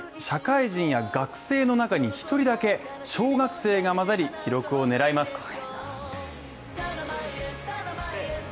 社会人や学生の中に１人だけ小学生が混ざり記録を狙います。